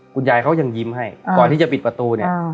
คุณยายเขายังยิ้มให้ก่อนที่จะปิดประตูเนี่ย